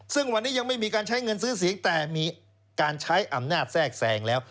ซึ่งวันนี้ยังไม่มีการใช้เงินซื้อเสียงแต่มีการใช้อำนาจแทรกแทรงแล้ว